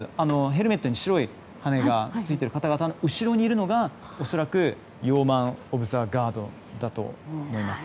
ジェントルマンアットアームズはヘルメットに白い羽がついている方々の後ろにいるのが恐らくヨーマン・オブ・ザ・ガードだと思います。